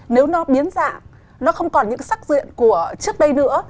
nếu nó biến dạng nó không còn những sắc diện của trước đây nữa